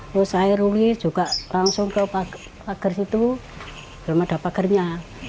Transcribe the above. terus saya rulis juga langsung ke pagar situ belum ada pagarnya